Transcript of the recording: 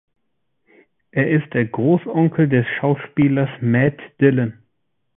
Er ist der Großonkel des Schauspielers Matt Dillon.